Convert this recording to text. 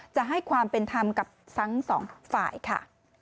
จะให้ความเป็นธรรมกับทั้งสองฝ่ายค่ะ